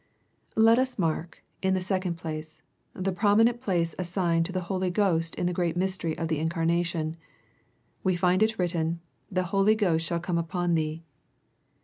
Let us mark, in the second place, the prominent place assigned to the Holy Ghost in the greai mystery of the incarnation. We find it written, "The Holy Ghost shall come upon thee."